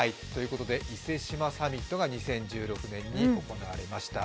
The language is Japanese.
伊勢志摩サミットが２０１６年に行われました。